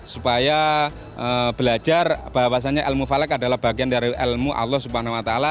supaya belajar bahwasannya ilmu falek adalah bagian dari ilmu allah swt